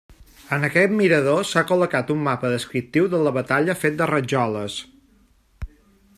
En aquest mirador s'ha col·locat un mapa descriptiu de la batalla fet de rajoles.